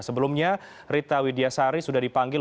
sebelumnya rita widiasari sudah dipanggil